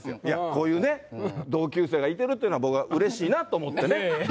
こういうね、同級生がいてるっていうのは僕はうれしいなと思ってね。